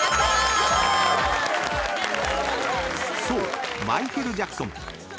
［そうマイケル・ジャクソン］